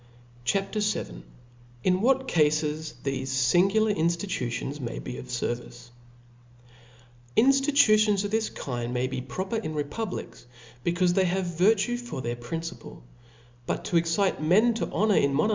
CHAP. VIL Xn what Cq/e thefe Jingular Infiitutions may b^ of Service^ "INSTITUTIONS of this kind may be proper '*• in republics, becaufe they have virtue for their principle; but to excite men to honor in nno narchics.